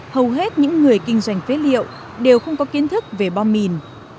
hầu hết những người kinh doanh phế liệu đều không có kiến thức về bom mìn